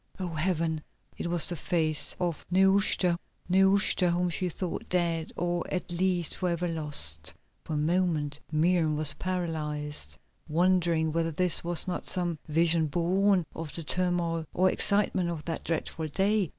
Oh, Heaven! it was the face of Nehushta, Nehushta whom she thought dead, or at least for ever lost. For a moment Miriam was paralysed, wondering whether this was not some vision born of the turmoil and excitement of that dreadful day.